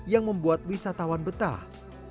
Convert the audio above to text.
yang membuat wisatawan betah